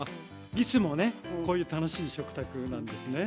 いつもねこういう楽しい食卓なんですね。